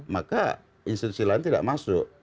maka institusi lain tidak masuk